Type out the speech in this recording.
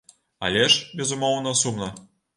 Але ж, безумоўна, сумна.